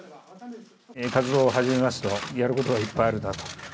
活動を始めますと、やることがいっぱいあるなと。